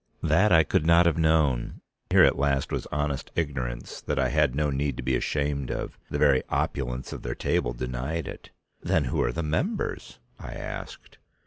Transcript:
That I could not have known, here at last was honest ignorance that I had no need to be ashamed of, the very opulence of their table denied it. "Then who are the members?" I asked.